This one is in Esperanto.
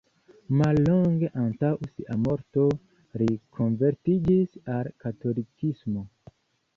Mallonge antaŭ sia morto li konvertiĝis al katolikismo.